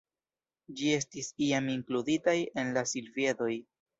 Ĝi estis iam inkluditaj en la Silviedoj.